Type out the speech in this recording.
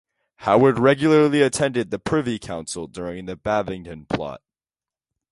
Howard regularly attended the Privy Council during the Babington Plot.